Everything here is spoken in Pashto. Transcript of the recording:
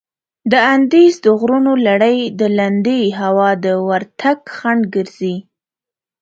د اندیز د غرونو لړي د لندې هوا د ورتګ خنډ ګرځي.